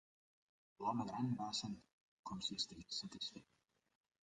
L'home gran va assentir, com si estigués satisfet.